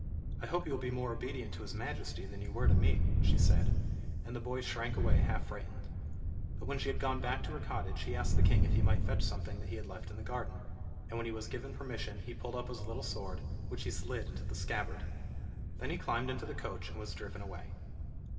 "I hope you will be more obedient to his Majesty than you were to me," she said; and the boy shrank away half frightened. But when she had gone back to her cottage, he asked the king if he might fetch something that he had left in the garden, and when he was given permission, he pulled up his little sword, which he slid into the scabbard. Then he climbed into the coach and was driven away.